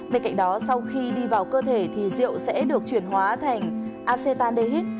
bên cạnh đó sau khi đi vào cơ thể thì rượu sẽ được chuyển hóa thành acetaldehyde